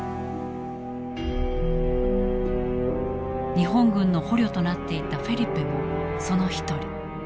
日本軍の捕虜となっていたフェリペもその一人。